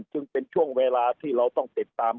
จึงเป็นช่วงเวลาที่เราต้องติดตาม